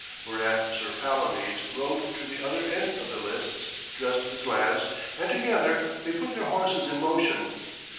Whereat Sir Palomides rode to the other end of the lists, dressed his lance, and together they put their horses in motion.